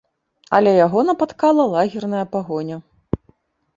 Але яго напаткала лагерная пагоня.